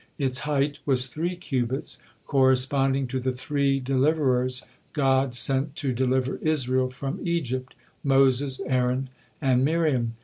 Its height was three cubits, corresponding to the three deliverers God sent to deliver Israel from Egypt, Moses, Aaron, and Miriam.